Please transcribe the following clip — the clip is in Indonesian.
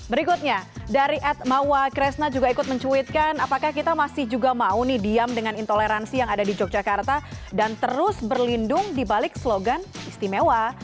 berikutnya dari ed mawa kresna juga ikut mencuitkan apakah kita masih juga mau nih diam dengan intoleransi yang ada di yogyakarta dan terus berlindung dibalik slogan istimewa